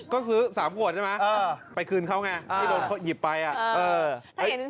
ก็ซื้อ๓ขวดใช่ไหมไปคืนเขาไงไม่โดนเขาหยิบไป